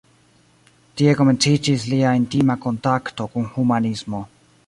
Tie komenciĝis lia intima kontakto kun humanismo.